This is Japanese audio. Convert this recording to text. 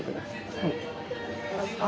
はい。